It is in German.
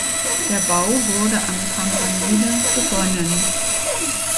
Der Bau wurde am Campanile begonnen.